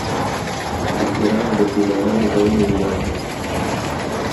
بزګرانو د فیوډالانو ځایونه ویجاړ کړل.